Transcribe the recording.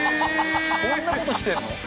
そんなことしてんの？